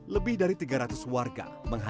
lebih dari tiga ratus warga